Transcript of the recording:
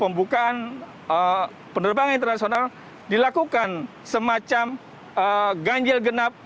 pembukaan penerbangan internasional dilakukan semacam ganjil genap